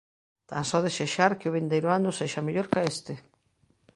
Tan só desexar que o vindeiro ano sexa mellor ca este.